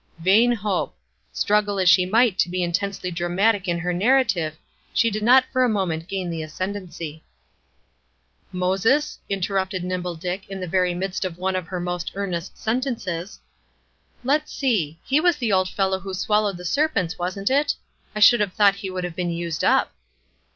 Vain hope! Struggle as she might to be intensely dramatic in her narrative, she did not for a moment gain the ascendency. "Moses?" interrupted Nimble Dick in the very midst of one of her most earnest sentences. "Let's see! that was the old fellow who swallowed the serpents, wasn't it? I should have thought he would have been used up."